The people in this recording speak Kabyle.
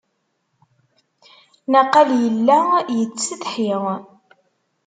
Naqal yella yettsetḥi.